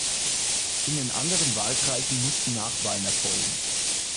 In den anderen Wahlkreisen mussten Nachwahlen erfolgen.